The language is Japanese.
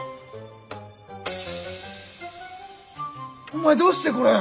お前どうしてこれ。